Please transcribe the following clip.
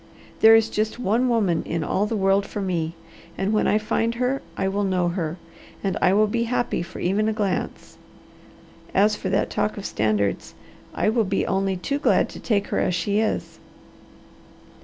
There is just one woman in all the world for me, and when I find her I will know her, and I will be happy for even a glance; as for that talk of standards, I will be only too glad to take her as she is."